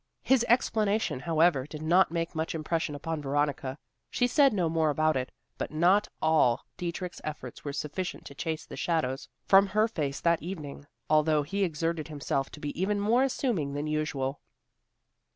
His explanation, however, did not make much impression upon Veronica. She said no more about it; but not all Dietrich's efforts were sufficient to chase the shadows from her face that evening, although he exerted himself to be even more amusing than usual.